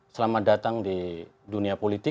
selamat datang di dunia politik